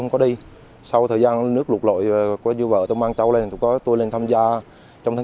không có đi sau thời gian nước lụt lội của vua vợ tôi mang cháu lên có tôi lên tham gia trong tháng